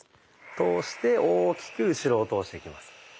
通して大きく後ろを通していきます。